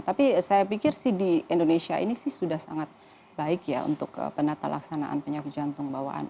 tapi saya pikir sih di indonesia ini sih sudah sangat baik ya untuk penata laksanaan penyakit jantung bawaan